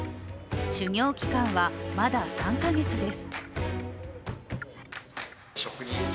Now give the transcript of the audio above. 修業期間はまだ３か月です。